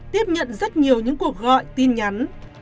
tiếp nhận rất nhiều những cuộc gọi tin nhắn